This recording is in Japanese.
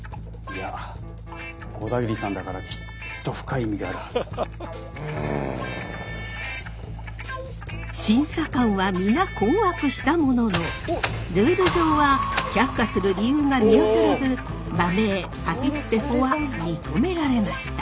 いやうん審査官は皆困惑したもののルール上は却下する理由が見当たらず馬名パピプペポは認められました。